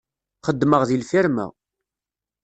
Xeddmeɣ deg lfirma.